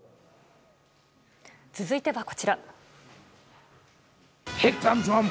続いてはこちら。